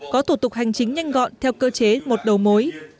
có thủ tục hành chính nhanh gọn theo cơ chế một đầu mối